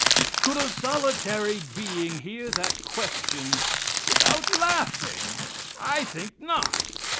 Could a solitary being hear that question without laughing? I think not.